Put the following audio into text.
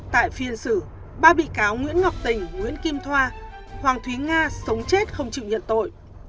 tại phiên xử ba bị cáo nguyễn ngọc tình nguyễn kim thoa hoàng thúy nga sống chết không chịu nhận tội